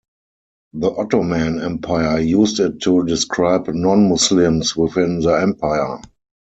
The Ottoman Empire used it to describe non-Muslims within the empire.